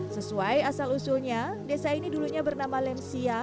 sesuai asal usulnya desa ini dulunya bernama lemsia